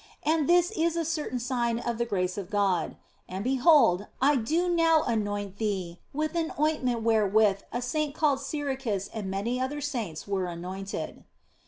And this is a certain sign of the grace of God. And behold, 1 do now anoint thee with an ointment wherewith a saint called Siricus and many other saints were anointed."